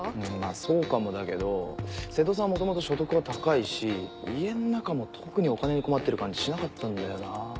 そうかもだけど瀬戸さん元々所得は高いし家の中も特にお金に困ってる感じしなかったんだよな。